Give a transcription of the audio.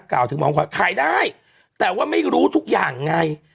กล่าวถึงมองขวาขายได้แต่ว่าไม่รู้ทุกอย่างไง